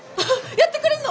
やってくれるの？